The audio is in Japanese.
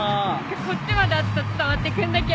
こっちまで熱さ伝わってくんだけど。